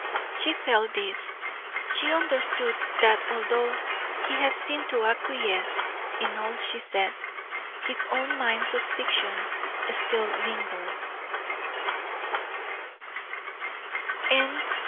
She felt this; she understood that although he had seemed to acquiesce in all she said, in his own mind suspicion still lingered.